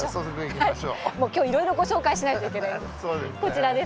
今日、いろいろご紹介しないといけないので。